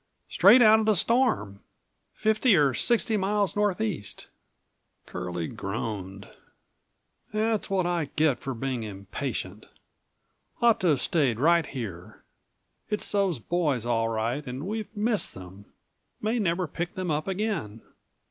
"Straight out of the storm. Fifty or sixty miles northeast." Curlie groaned. "That's what I get for being impatient. Ought to have stayed right here. It's those boys all right and we've missed them; may never pick them up again."